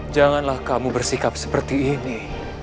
janganlah kamu bersikap seperti ini